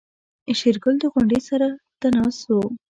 شېرګل د غونډۍ سر ته ناست و.